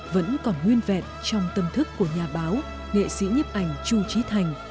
vẫn còn nguyên vẹn trong tâm thức của nhà báo nghệ sĩ nhấp ảnh chu trí thành